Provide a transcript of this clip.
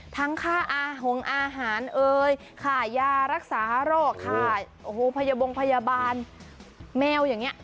ทางค่าห่วงอาหารขายยารักษารกพยบงพยาบาลแมวอย่างนี้